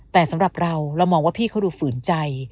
แต่สำหรับเราเรามองว่าพี่เขาดูฝืนใจ